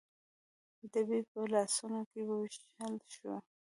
ډبي په لاسونو کې ووېشل شول.